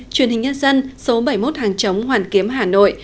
truyền hình nhân dân số bảy mươi một hàng chống hoàn kiếm hà nội